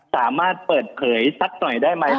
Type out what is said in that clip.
สามารถเปิดเผยสักหน่อยได้ไหม